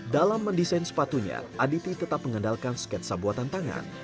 dalam mendesain sepatunya aditi tetap mengandalkan sketsa buatan tangan